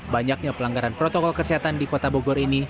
banyaknya pelanggaran protokol kesehatan di kota bogor ini